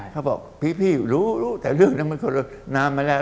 เขาบอกพี่รู้รู้แต่เรื่องนั้นมันก็เลยนานมาแล้ว